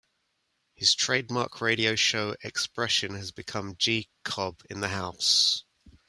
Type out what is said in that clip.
His trademark radio show expression has become G Cobb in the House!